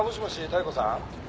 妙子さん。